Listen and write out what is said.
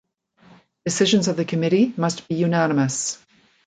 Decisions of the committee must be unanimous.